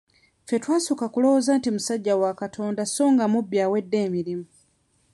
Ffe twasooka kulowooza nti musajja wa Katonda so nga mubbi awedde emirimu.